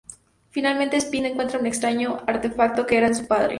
Finalmente, Stephen encuentra un extraño artefacto que era de su padre.